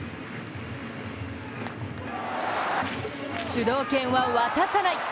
主導権は渡さない！